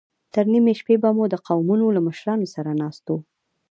تر نيمې شپې به د قومونو له مشرانو سره ناست و.